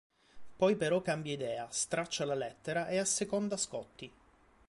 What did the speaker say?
Poi però cambia idea, straccia la lettera e asseconda Scottie.